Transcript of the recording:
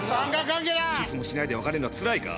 「キスもしないで別れんのはつらいか？」